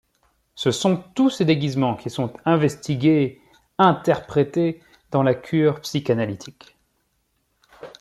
Ce sont tous ces déguisements qui sont investigués, interprétés dans la cure psychanalytique.